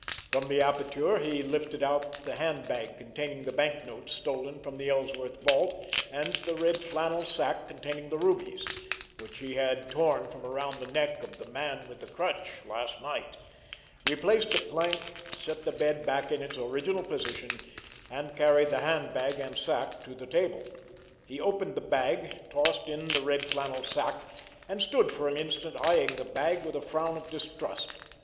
From the aperture he lifted out the hand bag containing the banknotes stolen from the Ellsworth vault, and the red flannel sack containing the rubies, which he had torn from around the neck of the Man with the Crutch last night, replaced the plank, set the bed back in its original position, and carried the hand bag and sack to the table. He opened the bag, tossed in the red flannel sack—and stood for an instant eyeing the bag with a frown of distrust.